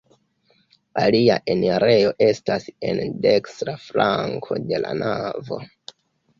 Alia enirejo estas en dekstra flanko de la navo.